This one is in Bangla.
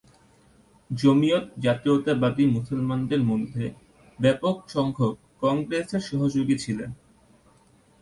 জমিয়ত জাতীয়তাবাদী মুসলমানদের মধ্যে ব্যাপক সংখ্যক কংগ্রেসের সহযোগী ছিলেন।